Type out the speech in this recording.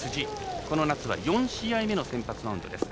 この夏は、４試合目の先発マウンドです。